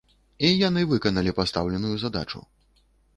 І яны выканалі пастаўленую задачу.